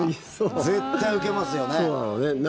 絶対、ウケますよね。